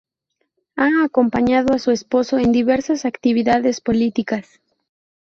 Ha acompañado a su esposo en sus diversas actividades políticas.